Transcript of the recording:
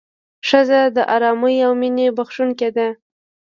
ښځه د ارامۍ او مینې بښونکې ده.